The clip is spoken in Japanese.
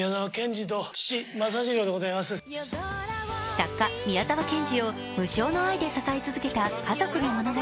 作家・宮沢賢治を無償の愛で支え続けた家族の物語。